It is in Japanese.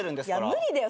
無理だよ